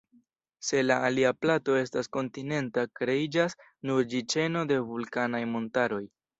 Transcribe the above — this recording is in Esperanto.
Se la alia plato estas kontinenta, kreiĝas sur ĝi ĉeno de vulkanaj montaroj.